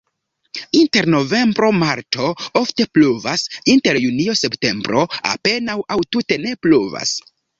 Inter novembro-marto ofte pluvas, inter junio-septembro apenaŭ aŭ tute ne pluvas.